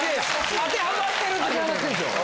当てはまってるんですよ。